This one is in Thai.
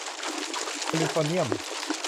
แคลิฟอร์เนียม